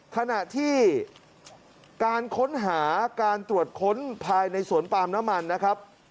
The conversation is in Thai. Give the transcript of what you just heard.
ขณะที่การค้นหาการตรวจค้นภายในสวนปาล์มน้ำมันนะครับ